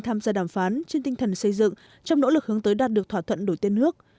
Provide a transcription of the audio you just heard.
tham gia đàm phán trên tinh thần xây dựng trong nỗ lực hướng tới đạt được thỏa thuận đổi tên nước